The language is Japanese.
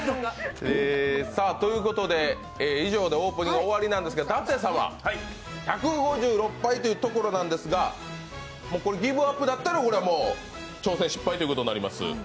以上でオープニング終わりなんですけど舘様、１５６杯というところなんですがギブアップだったら、これは挑戦失敗ということになります。